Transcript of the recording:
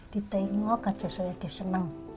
ditengok aja deh senang